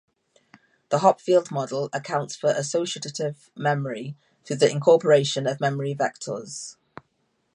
The Hopfield model accounts for associative memory through the incorporation of memory vectors.